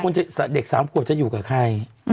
แล้วเด็ก๓กว่าจะอยู่กับใคร